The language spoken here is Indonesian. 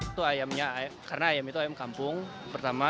itu ayamnya karena ayam itu ayam kampung pertama